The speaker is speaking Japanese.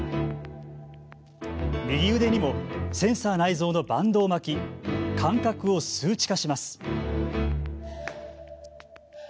右腕にもセンサー内蔵のバンドを巻き感覚を数値化します。